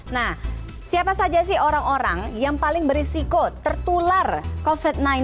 nah siapa saja sih orang orang yang paling berisiko tertular covid sembilan belas